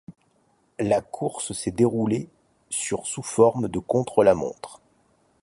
La course s'est déroulée sur sous forme de contre-la-montre.